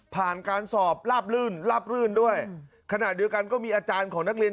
ผ่านการสอบลาบลื่นด้วยขณะเดียวกันก็มีอาจารย์ของนักเรียน